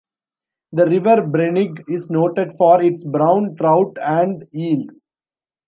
The River Brenig is noted for its brown trout and eels.